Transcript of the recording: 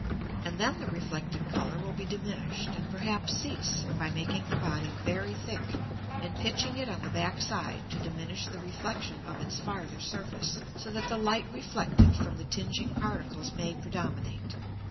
And then the reflected Colour will be diminished, and perhaps cease, by making the Body very thick, and pitching it on the backside to diminish the Reflexion of its farther Surface, so that the Light reflected from the tinging Particles may predominate.